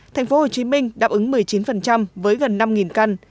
tp hcm đáp ứng một mươi chín với gần năm căn